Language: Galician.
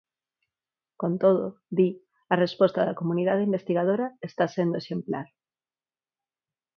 Con todo, di, a resposta da comunidade investigadora está sendo exemplar.